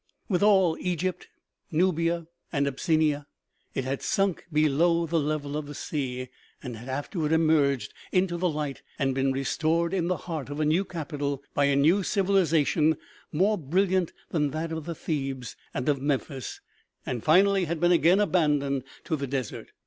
With all Egypt, Nubia and Abyssinia, it had sunk below the level of the sea, and had afterwards emerged into the light and been restored in the heart of a new capital by a new civilization, more brilliant than that of Thebes and of Memphis, and finally had been again abandoned to the desert.